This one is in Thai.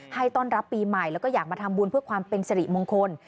ต้อนรับปีใหม่แล้วก็อยากมาทำบุญเพื่อความเป็นสิริมงคล